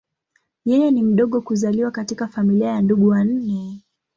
Yeye ni mdogo kuzaliwa katika familia ya ndugu wanne.